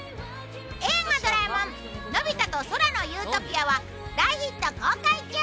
『映画ドラえもんのび太と空の理想郷』は大ヒット公開中！